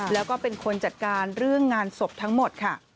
แล้วก็เป็นคนจัดการเรื่องงานศพทั้งหมดค่ะ